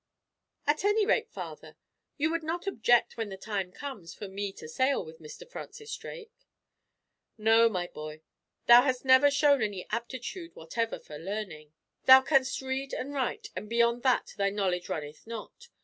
"At any rate, Father, you would not object when the time comes for me to sail with Mr. Francis Drake?" "No, my boy; thou hast never shown any aptitude whatever for learning. Thou canst read and write, but beyond that thy knowledge runneth not.